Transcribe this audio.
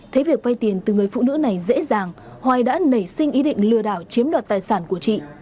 thấy việc vay tiền từ người phụ nữ này dễ dàng hoài đã nảy sinh ý định lừa đảo chiếm đoạt tài sản của chị